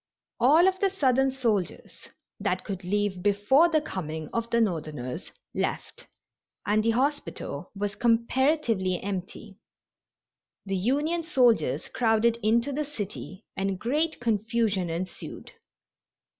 All of the Southern soldiers that could leave before the coming of the Northerners left, and the hospital was comparatively empty. The Union soldiers crowded into the city and great confusion ensued.